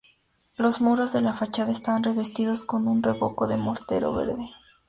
Los muros de la fachada están revestidos con un revoco de mortero verde.